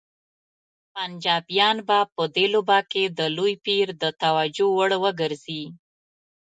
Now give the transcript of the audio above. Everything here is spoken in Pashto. پنجابیان به په دې لوبه کې د لوی پیر د توجه وړ وګرځي.